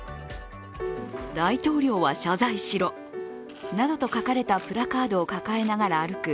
大統領は謝罪しろなどと書かれたプラカードを抱えながら歩く